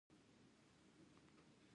ځوانان نوي فکرونه لري.